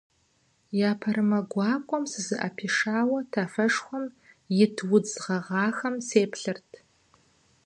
Епэрымэ гуакӏуэм сызыӏэпишауэ тафэшхуэм ит удз гъэгъахэм сеплъырт.